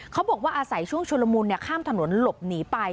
เขาบอกว่าอาศัยช่วงชุลมุนข้ามถนนหลบหนีไป